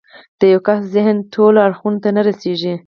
د يوه کس ذهن ټولو اړخونو ته نه رسېږي.